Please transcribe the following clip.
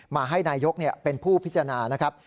มาให้นายกเป็นผู้พิจารณานะครับ